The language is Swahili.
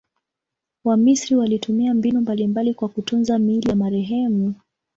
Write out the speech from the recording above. Wamisri walitumia mbinu mbalimbali kwa kutunza miili ya marehemu.